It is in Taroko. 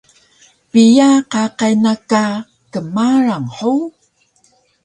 Piya qaqay na ka kmarang hug?